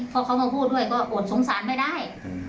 แล้วเค้ามาพูดด้วยก็โกรธสงสารไปได้